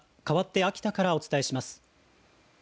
かわって秋田からお伝えします。